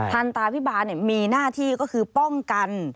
ทันตาพิบาลมีหน้าที่ก็คือป้องกัน